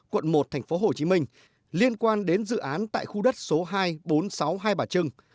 quận một tp hcm liên quan đến dự án tại khu đất số hai bốn sáu hai bà trưng